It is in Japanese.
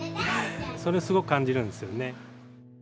それをすごく感じるんですよね。